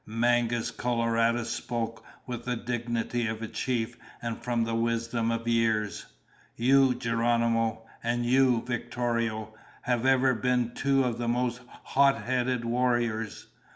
Mangus Coloradus spoke with the dignity of a chief and from the wisdom of years. "You, Geronimo, and you, Victorio, have ever been two of the most hot headed warriors.